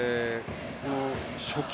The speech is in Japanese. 初球